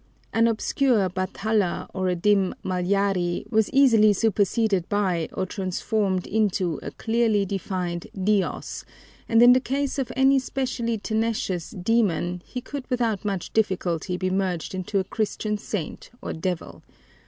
An obscure Bathala or a dim Malyari was easily superseded by or transformed into a clearly defined Diós, and in the case of any especially tenacious "demon," he could without much difficulty be merged into a Christian saint or devil.